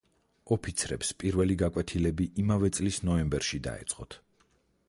ოფიცრებს პირველი გაკვეთილები იმავე წლის ნოემბერში დაეწყოთ.